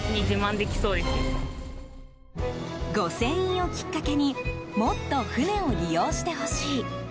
御船印をきっかけにもっと船を利用してほしい。